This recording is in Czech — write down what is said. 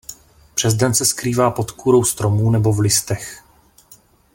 Přes den se skrývá pod kůrou stromů nebo v listech.